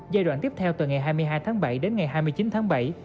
giai đoạn tiếp theo từ ngày hai mươi hai tháng bảy đến ngày hai mươi chín tháng bảy